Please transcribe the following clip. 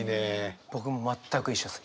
僕も全く一緒です。